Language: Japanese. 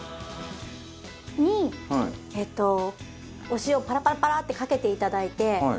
お塩パラパラパラってかけていただいて。